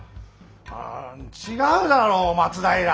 あ違うだろう松平！